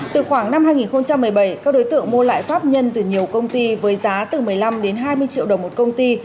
từ khoảng năm hai nghìn một mươi bảy các đối tượng mua lại pháp nhân từ nhiều công ty với giá từ một mươi năm đến hai mươi triệu đồng một công ty